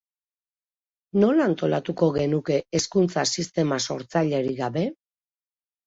Nola antolatuko genuke hezkuntza sistema sortzailerik gabe?